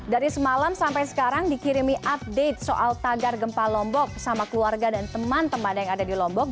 dari semalam sampai sekarang dikirimi update soal tagar gempa lombok sama keluarga dan teman teman yang ada di lombok